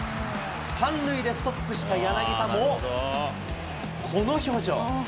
３塁でストップした柳田も、この表情。